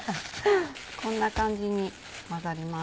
こんな感じに混ざります。